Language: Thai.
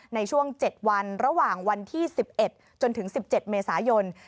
ในช่วง๗วันระหว่างวันที่๑๑จนถึง๑๗เมษายน